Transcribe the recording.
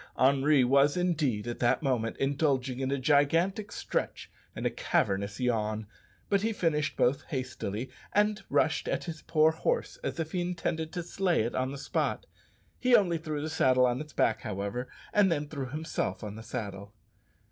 Henri was indeed, at that moment, indulging in a gigantic stretch and a cavernous yawn; but he finished both hastily, and rushed at his poor horse as if he intended to slay it on the spot. He only threw the saddle on its back, however, and then threw himself on the saddle.